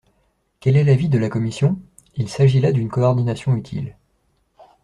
Quel est l’avis de la commission ? Il s’agit là d’une coordination utile.